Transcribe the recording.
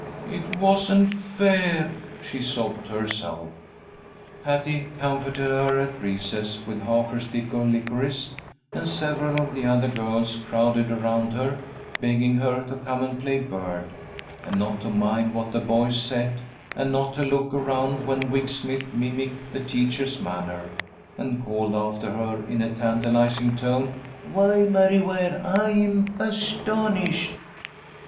"It wasn't fair," she sobbed to herself. Patty comforted her at recess with half her stick of licorice, and several of the other girls crowded around her, begging her to come and play Bird, and not to mind what the boys said, and not to look around when Wig Smith mimicked the teacher's manner, and called after her in a tantalizing tone, "Why, Mary Ware! I'm astonished!"